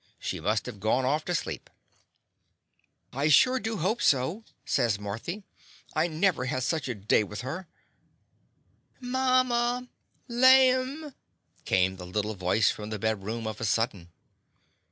She must have gone off to sleep/' "I sure do hope so/' says Marthy. "I never had such a day with her/' "Mama, laim!" came the little voice from the bedroom, of a sudden.